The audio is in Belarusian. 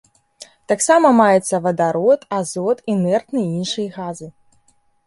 Таксама маецца вадарод, азот, інертныя і іншыя газы.